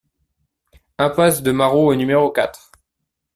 Impasse de Maroux au numéro quatre